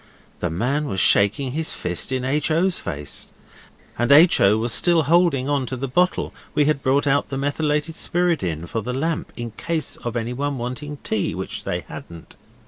The man was shaking his fist in H. O.'s face, and H. O. was still holding on to the bottle we had brought out the methylated spirit in for the lamp, in case of anyone wanting tea, which they hadn't.